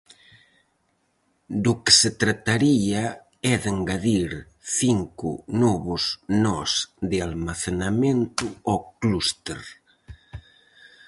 Do que se trataría é de engadir cinco novos nós de almacenamento ao clúster.